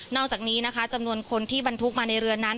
อกจากนี้นะคะจำนวนคนที่บรรทุกมาในเรือนั้น